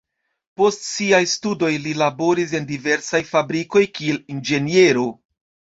Post siaj studoj li laboris en diversaj fabrikoj kiel inĝeniero.